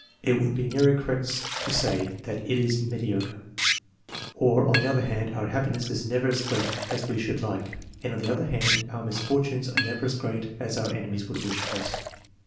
It would be nearer correct to say that it is mediocre; for on the one hand 9 our happiness is never as great as we sHoutd like^ignd on the other hand, our misfortunes are never as great as our enemies would wish for us.